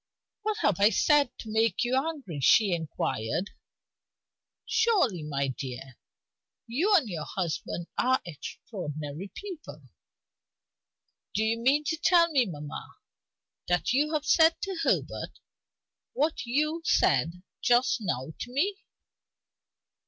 "What have I said to make you angry?" she inquired. "Surely, my dear, you and your husband are extraordinary people." "Do you mean to tell me, mamma, that you have said to Herbert what you said just now to me?"